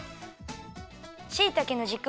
しいたけのじく